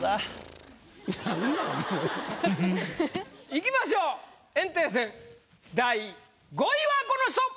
いきましょう炎帝戦第５位はこの人！